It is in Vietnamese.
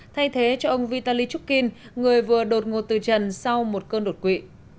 thay thế cho ông vitaly chuckin người vừa đột ngột từ trần sau một cơn đột quỵ